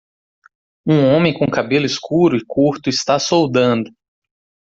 Um homem com cabelo escuro e curto está soldando.